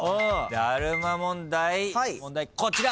ダルマ問題問題こちら！